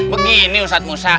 begini ustadz musa